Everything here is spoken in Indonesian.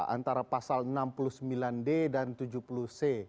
antara pasal enam puluh sembilan d dan tujuh puluh c